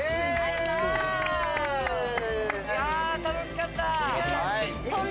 楽しかった！